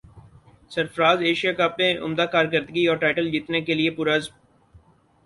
سرفراز Asia Cup میں عمدہ کارکردگی اور ٹائٹل جیتنے کیلئے پرعزم